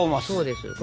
そうです。